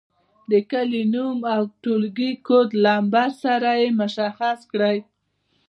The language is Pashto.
د کلي نوم او د ټولګي کوډ نمبر سره یې مشخص کړئ.